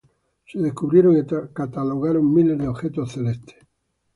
Se descubrieron y catalogaron miles de objetos celestes.